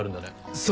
そう。